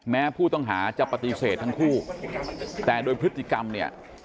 แม้ผู้ต้องหาจะปฏิเสธทั้งคู่แต่โดยพฤติกรรมเนี่ย